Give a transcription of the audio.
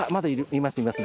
いますいます。